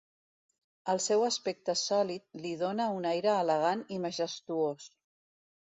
El seu aspecte sòlid li dóna un aire elegant i majestuós.